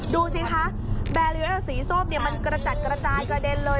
ดูสิคะแบรีเออร์สีส้มมันกระจัดกระจายกระเด็นเลย